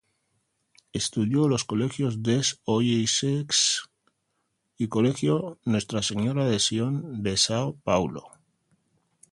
Estudió los colegios Des Oiseaux y Colegio Nuestra Señora de Sion de São Paulo.